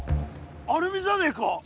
アルミじゃねえか？